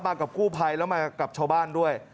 มากับกู้ไภและมากับชาวบ้านด้วย